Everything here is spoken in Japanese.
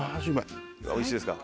おいしいですか。